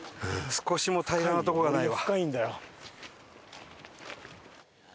少しも平らなとこがないわ。